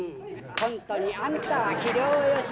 ほんとにあんたは器量よし」